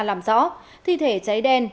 làm rõ thi thể cháy đen